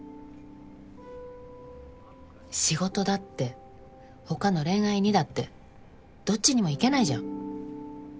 仕事だって他の恋愛にだってどっちにも行けないじゃん。